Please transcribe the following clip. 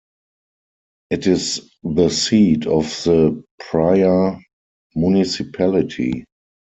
It is the seat of the Praia municipality.